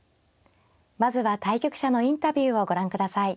まずは対局者のインタビューをご覧ください。